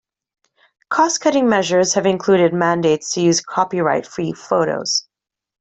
Cost-cutting measures have included mandates to use copyright free photos.